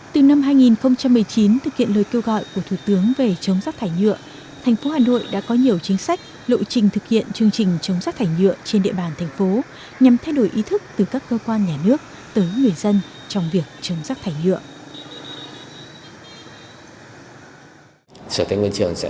từ năm hai nghìn một mươi chín thực hiện lời kêu gọi của thủ tướng về chống rác thải nhựa thành phố hà nội đã có nhiều chính sách lộ trình thực hiện chương trình chống rác thải nhựa trên địa bàn thành phố nhằm thay đổi ý thức từ các cơ quan nhà nước tới người dân trong việc chống rác thải nhựa